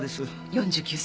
４９歳。